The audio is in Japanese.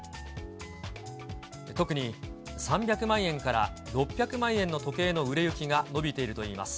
特に３００万円から６００万円の時計の売れ行きが伸びているといいます。